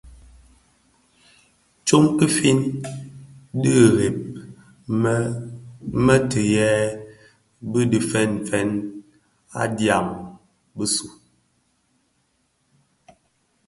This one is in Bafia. Tsok ki fin dhi ireb më tidhëk bidhi fènfèn a dyaň bisu u.